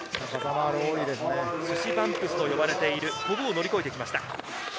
スシバンクと呼ばれています、コブを乗り越えてきました。